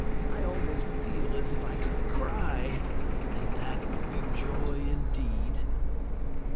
I almost feel as if I could cry, and that would be joy indeed!"